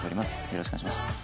よろしくお願いします。